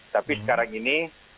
tapi sekarang ini